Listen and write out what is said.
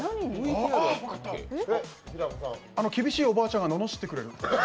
厳しいおばあちゃんがののしってくれる。